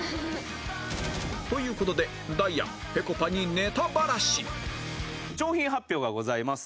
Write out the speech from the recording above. という事でダイアンぺこぱに賞品発表がございます。